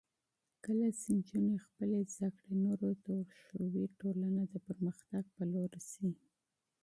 کله چې نجونې خپل علم نورو ته وښيي، ټولنه د پرمختګ په لور ځي.